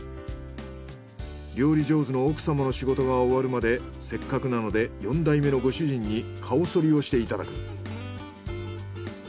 料理上手の奥様の仕事が終わるまでせっかくなので４代目のご主人に顔剃りをしていただく。